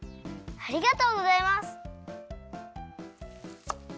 ありがとうございます！